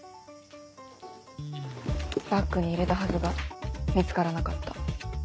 バッグに入れたはずが見つからなかった。